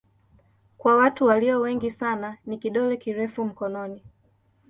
Kwa watu walio wengi sana ni kidole kirefu mkononi.